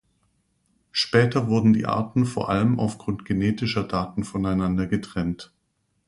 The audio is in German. Später wurden die Arten vor allem aufgrund genetischer Daten voneinander getrennt.